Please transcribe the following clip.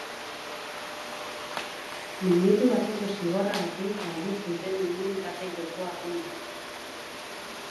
Minutu bateko zigorragatik galdu zuten immunitate jokoa pumek.